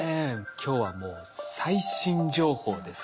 今日はもう最新情報ですから。